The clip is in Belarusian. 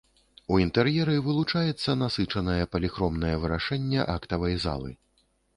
У інтэр'еры вылучаецца насычанае паліхромнае вырашэнне актавай залы.